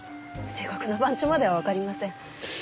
正確な番地まではわかりません。